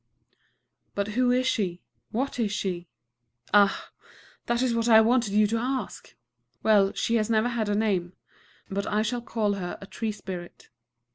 But who is she? what is she?... Ah! that is what I wanted you to ask. Well, she has never had a name; but I shall call her a tree spirit.